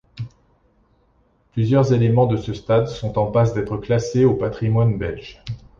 Plusieurs éléments de ce stade sont en passe d'être classés au patrimoine belge.